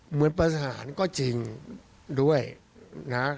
เหมือนประหารก็จริงด้วยนะ